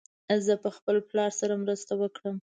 زه به خپل پلار سره مرسته وکړم.